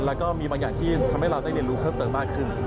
แล้วก็มีบางอย่างที่ทำให้เราได้เรียนรู้เพิ่มเติมมากขึ้น